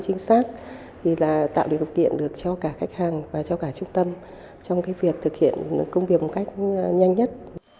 chính xác thì là tạo điều kiện được cho cả khách hàng và cho cả trung tâm trong cái việc thực hiện công việc một cách nhanh nhất